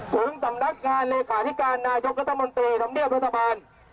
ถึงสำนักงานเลขาธิการนายกรัฐมนตรีธรรมเนียบรัฐบาล